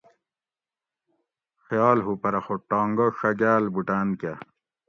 خیال ہو پرہ خو ٹانگہ ڛگال بوٹان کہ